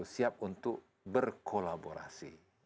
siap untuk berkolaborasi